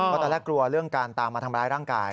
เพราะตอนแรกกลัวเรื่องการตามมาทำร้ายร่างกาย